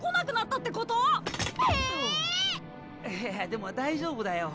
でも大丈夫だよ。